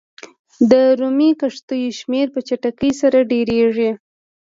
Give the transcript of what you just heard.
د رومي کښتیو شمېر په چټکۍ سره ډېرېږي.